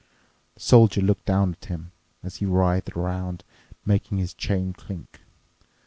The Soldier looked down at him, as he writhed around, making his chain clink.